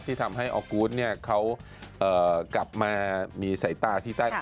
ที่ทำให้ออกูธเขากลับมามีสายตาที่ใต้